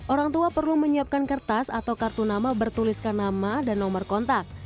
orang tua perlu menyiapkan kertas atau kartu nama bertuliskan nama dan nomor kontak